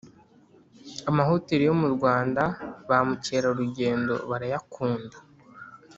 Amahoteli yo murwanda bamucyera rugendo barayakunda